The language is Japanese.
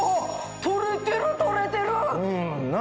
取れてる取れてる！な？